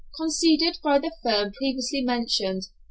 _ conceded by the firm previously mentioned.